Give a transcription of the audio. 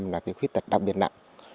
là khuyết tật đặc biệt nặng